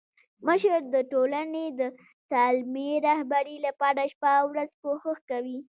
مشر د ټولني د سالمي رهبري لپاره شپه او ورځ کوښښ کوي.